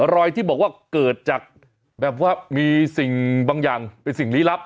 รอยที่บอกว่าเกิดจากแบบว่ามีสิ่งบางอย่างเป็นสิ่งลี้ลับ